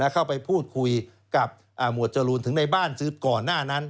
เข้าไปพูดคุยกับหมวดจรูนถึงในบ้านซื้อก่อนหน้านั้น